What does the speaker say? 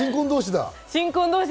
新婚同士だ。